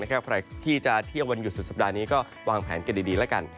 ใครที่จะเที่ยววันหยุดสุดสัปดาห์นี้ก็วางแผนกันดีแล้วกัน